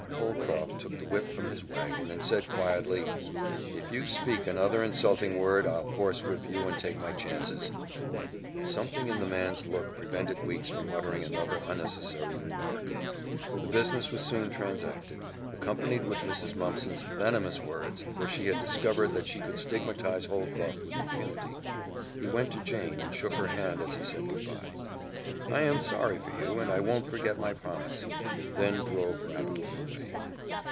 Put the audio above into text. Holcroft took the whip from his wagon and said quietly, "If you speak another insulting word, I'll horsewhip you and take my chances." Something in the man's look prevented Weeks from uttering another unnecessary remark. The business was soon transacted, accompanied with Mrs. Mumpson's venomous words, for she had discovered that she could stigmatize Holcroft with impunity. He went to Jane and shook her hand as he said goodby. "I am sorry for you, and I won't forget my promise;" then drove rapidly away.